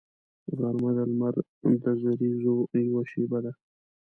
غرمه د لمر د زریزو یوه شیبه ده